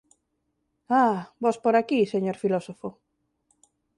Ah, vós por aquí, señor filósofo.